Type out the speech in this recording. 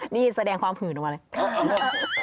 นี่แสดงความหื่นออกมาเลย